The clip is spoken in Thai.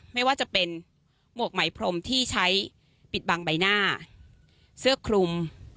ไม่ว่าจะเป็นหมวกไหมพรมที่ใช้ปิดบังใบหน้าเสื้อคลุม